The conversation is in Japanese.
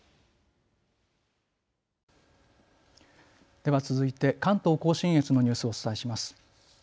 では続いて関東甲信越のニュースをお伝えします。